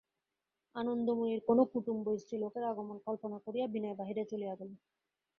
আনন্দময়ীর কোনো কুটুম্ব স্ত্রীলোকের আগমন কল্পনা করিয়া বিনয় বাহিরে চলিয়া গেল।